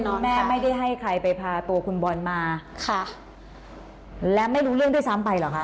แม่ไม่ได้ให้ใครไปพาตัวคุณบอลมาค่ะและไม่รู้เรื่องด้วยซ้ำไปเหรอคะ